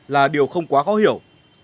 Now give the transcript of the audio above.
là điều không quá khó hiểu